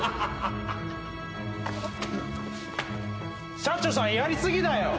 社長さん、やり過ぎだよ。